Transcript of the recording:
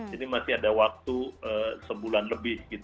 ini masih ada waktu sebulan lebih